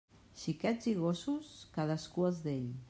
Xiquets i gossos, cadascú els d'ell.